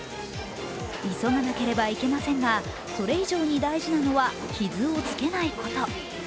急がなければいけませんがそれ以上に大事なのは傷をつけないこと。